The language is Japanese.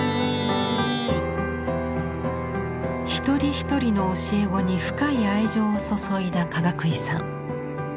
一人一人の教え子に深い愛情を注いだかがくいさん。